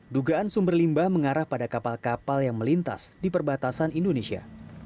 dugaan sumber limbah mengarah pada kapal kapal yang melintas di perbatasan indonesia